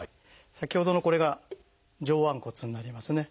先ほどのこれが上腕骨になりますね。